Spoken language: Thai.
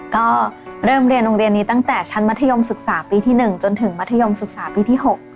ก็เริ่มเรียนโรงเรียนนี้ตั้งแต่ชั้นมัธยมศึกษาปีที่๑จนถึงมัธยมศึกษาปีที่๖